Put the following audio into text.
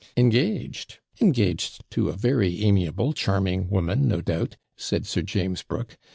'Engaged! engaged to a very amiable, charming woman, no doubt,' said Sir James Brooke.